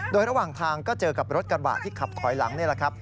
โดยระหว่างทางก็เจอกับรถกระบะที่ขับถอยหลังนี่แหละครับ